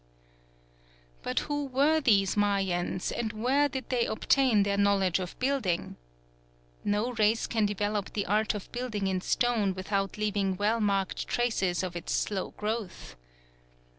But who were these Mayans, and where did they obtain their knowledge of building? No race can develop the art of building in stone without leaving well marked traces of its slow growth.